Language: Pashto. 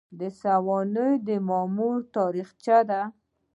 سوانح د مامور تاریخچه ده